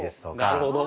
なるほど。